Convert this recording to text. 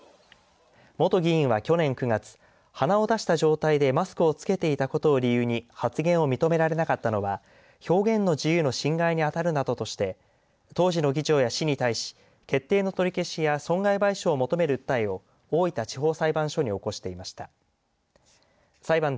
元議員は去年９月鼻を出した状態でマスクを着けていたことを理由に発言を認められなかったのは表現の表現の自由の侵害に当たるなどとして当時の議長や市に対し決定の取り消しや損害賠償を求める訴えを大阪地方裁判所に起こしていました。